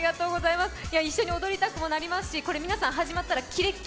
一緒に踊りたくもなりますし、これ始まったら皆さん、